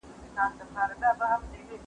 هر څوک باید د زده کړې حق ولري.